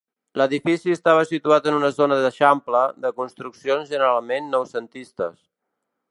L'edifici estava situat en una zona d'eixample, de construccions generalment noucentistes.